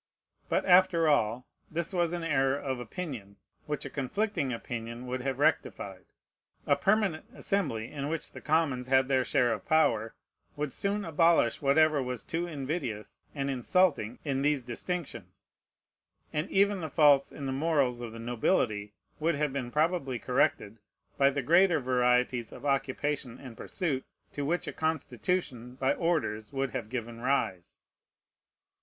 But, after all, this was an error of opinion, which a conflicting opinion would have rectified. A permanent Assembly, in which the commons had their share of power, would soon abolish whatever was too invidious and insulting in these distinctions; and even the faults in the morals of the nobility would have been probably corrected, by the greater varieties of occupation and pursuit to which a constitution by orders would have given rise.